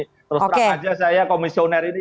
terus terang aja saya komisioner ini